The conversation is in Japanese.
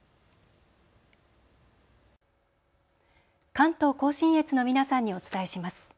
関東甲信越の皆さんにお伝えします。